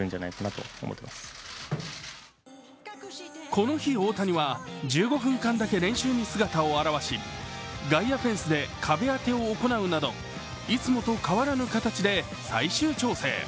この日、大谷は１５分間だけ練習に姿を現し外野フェンスで壁当てを行うなどいつもと変わらぬ形で最終調整。